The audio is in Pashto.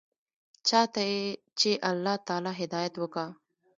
چا ته چې الله تعالى هدايت وکا.